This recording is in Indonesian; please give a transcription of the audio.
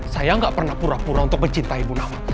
saya nggak pernah pura pura untuk mencintai ibu nawang